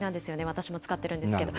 私も使ってるんですけど。